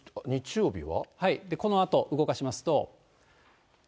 このあと動かしますと。